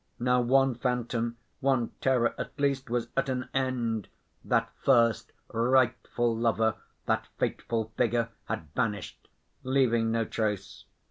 Now one phantom, one terror at least was at an end: that first, rightful lover, that fateful figure had vanished, leaving no trace.